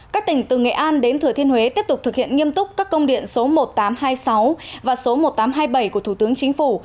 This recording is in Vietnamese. các tỉnh từ nghệ an đến thừa thiên huế tiếp tục thực hiện nghiêm túc các công điện số một nghìn tám trăm hai mươi sáu và số một nghìn tám trăm hai mươi bảy của thủ tướng chính phủ